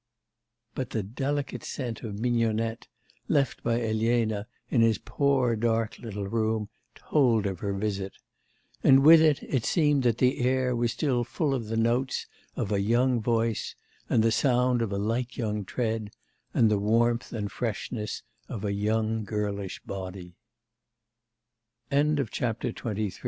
But the delicate scent of mignonette left by Elena in his poor dark little room told of her visit. And with it, it seemed that the air was still full of the notes of a young voice, and the sound of a light young tread, and the warmth and freshness